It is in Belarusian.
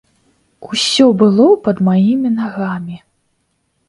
Усё было пад маімі нагамі.